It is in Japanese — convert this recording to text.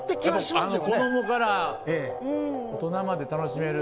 子供から大人まで楽しめる。